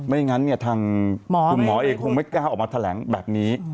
อย่างนั้นเนี่ยทางคุณหมอเองคงไม่กล้าออกมาแถลงแบบนี้